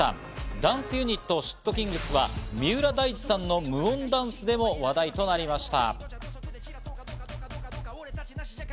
男性ユニット・ｓ＊＊ｔｋｉｎｇｚは三浦大知さんの無音ダンスでも話題となりました。